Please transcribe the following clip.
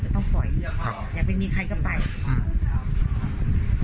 จะต้องพลอยเขาก็ไม่มีใครกลับไปอืม